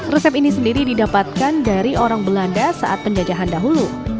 resep ini sendiri didapatkan dari orang belanda saat penjajahan dahulu